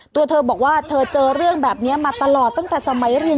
ตัวเธอบอกว่าเธอเจอเรื่องแบบนี้มาตลอดตั้งแต่สมัยเรียน